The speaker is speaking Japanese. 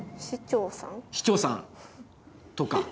市長さんとか？